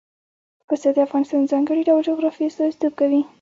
پسه د افغانستان د ځانګړي ډول جغرافیه استازیتوب کوي.